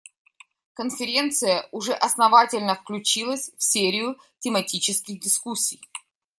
Конференция уже основательно включилась в серию тематических дискуссий.